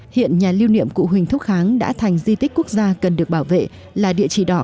hiện nhà lưu niệm cụ huỳnh thúc kháng đã thành di tích quốc gia cần được bảo vệ là địa chỉ đỏ